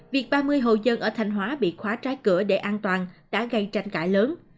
việc ba mươi hộ dân ở thanh hóa bị khóa trái cửa để an toàn đã gây tranh cãi lớn